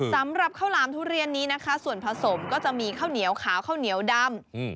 สำหรับข้าวหลามทุเรียนนี้นะคะส่วนผสมก็จะมีข้าวเหนียวขาวข้าวเหนียวดำ